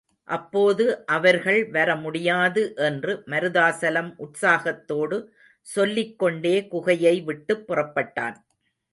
அப்போது அவர்கள் வர முடியாது என்று மருதாசலம் உற்சாகத்தோடு சொல்லிக்கொண்டே குகையை விட்டுப் புறப்பட்டான்.